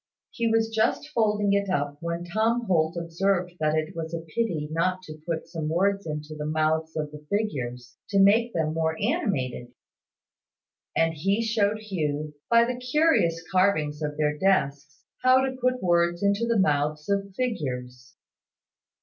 He was just folding it up when Tom Holt observed that it was a pity not to put some words into the mouths of the figures, to make them more animated; and he showed Hugh, by the curious carvings of their desks, how to put words into the mouths of figures.